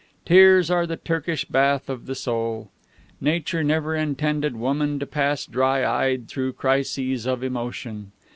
Tears are the Turkish bath of the soul. Nature never intended woman to pass dry eyed through crises of emotion.